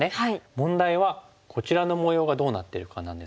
問題はこちらの模様がどうなってるかなんですけども。